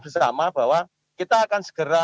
bersama bahwa kita akan segera